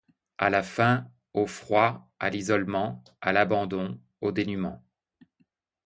À la faim, au froid, à l'isolement, à l'abandon, au dénûment.